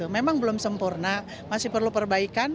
memang belum sempurna masih perlu perbaikan